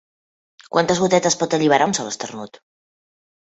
Quantes gotetes pot alliberar un sol esternut?